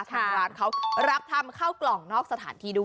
ทางร้านเขารับทำข้าวกล่องนอกสถานที่ด้วย